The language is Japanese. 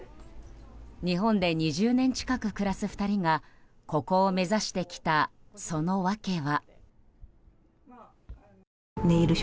日本で２０年近く暮らす２人がここを目指してきたそのわけは。